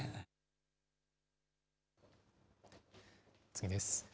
次です。